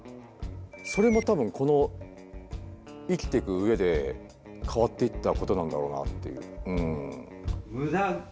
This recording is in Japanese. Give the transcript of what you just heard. それも多分この生きてく上で変わっていったことなんだろうなっていう。